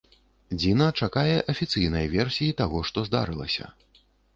Дзіна чакае афіцыйнай версіі таго, што здарылася.